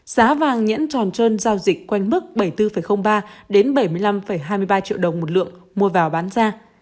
giá vàng nhẫn tròn trơn giao dịch quanh mức bảy mươi bốn ba đến bảy mươi năm hai mươi ba triệu đồng một lượng mua vào bán ra